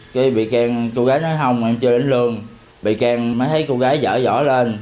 khi vị can cô gái nói không em chưa đến lương vị can mới thấy cô gái dở dõi lên